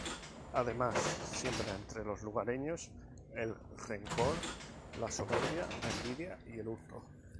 Además, siembra entre los lugareños el rencor, la soberbia, la envidia y el hurto.